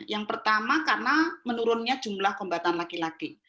yang pertama karena menurunnya jumlah kombatan laki laki